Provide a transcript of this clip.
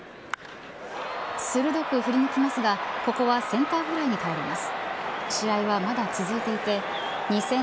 鋭く振り抜きますがここはセンターフライに倒れます。